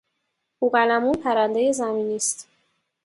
بوقلمون پرندهی زمینی است.